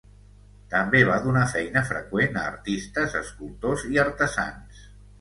També va donar feina freqüent a artistes, escultors i artesans.